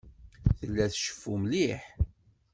Tella tceffu mliḥ.